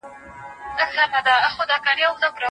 هر بريالي انسان زيار ويستلی.